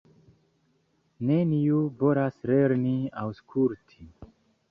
Neniu volas lerni aŭskulti.